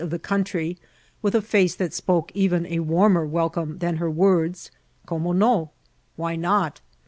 of the country, with a &ce that npcke even a wanner welcome than her words, "como non?" "why not?"